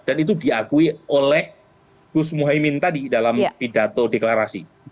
dan itu diakui oleh gus muhaymin tadi dalam pidato deklarasi